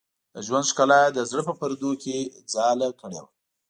د ژوند ښکلا یې د زړه په پردو کې ځاله کړې وه.